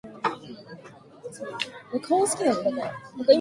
But although we waited for him until midnight he did not come.